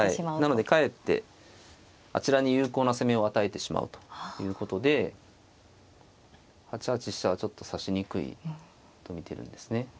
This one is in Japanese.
なのでかえってあちらに有効な攻めを与えてしまうということで８八飛車はちょっと指しにくいと見てるんですね。